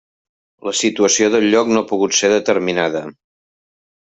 La situació del lloc no ha pogut ser determinada.